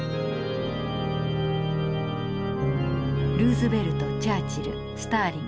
ルーズベルトチャーチルスターリン。